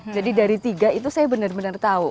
jadi dari tiga itu saya benar benar tahu